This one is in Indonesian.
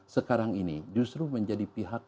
sekarang ini justru menjadi pihak